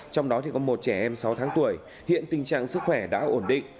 trong đó có một trẻ em sáu tháng tuổi hiện tình trạng sức khỏe đã ổn định